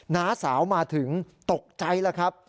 น้าสาวมาถึงตกใจแล้วครับ